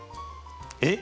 えっ！